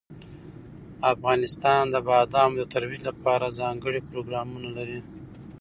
افغانستان د بادامو د ترویج لپاره ځانګړي پروګرامونه لري.